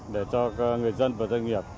để cho người dân và doanh nghiệp